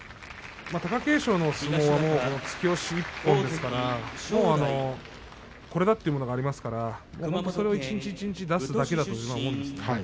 貴景勝の相撲は押し一方ですからこれだというものがありますから一日一日出すことだけだと思うんですね。